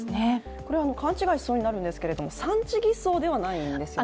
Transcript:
これは勘違いしそうになるんですけど、産地偽装ではないんですよね。